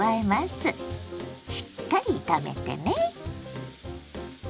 しっかり炒めてね。